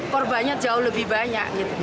korbannya jauh lebih banyak